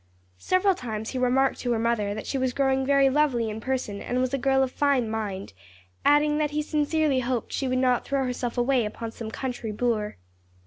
Several times he remarked to her mother that she was growing very lovely in person and was a girl of fine mind; adding that he sincerely hoped she would not throw herself away upon some country boor.